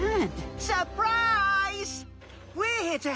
サプライズ！